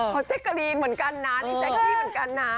เพราะแจ๊กกะรีเหมือนกันนะในแจ๊กที่เหมือนกันนะ